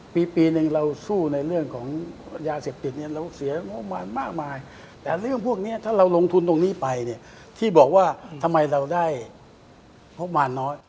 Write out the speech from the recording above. ปีหนึ่งเราสู้ในเรื่องของยาเสพติดเนี่ยเราเสียงบประมาณมากมายแต่เรื่องพวกนี้ถ้าเราลงทุนตรงนี้ไปเนี่ยที่บอกว่าทำไมเราได้งบมารน้อย